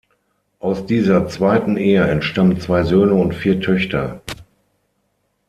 Aus dieser zweiten Ehe entstammen zwei Söhne und vier Töchter.